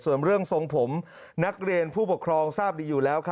ส่วนเรื่องทรงผมนักเรียนผู้ปกครองทราบดีอยู่แล้ว